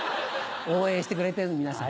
応援してくれてるの皆さん。